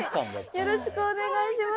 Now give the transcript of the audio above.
よろしくお願いします